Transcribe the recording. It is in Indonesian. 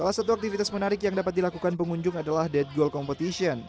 salah satu aktivitas menarik yang dapat dilakukan pengunjung adalah dead goal competition